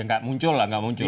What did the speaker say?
ya gak muncul lah gak muncul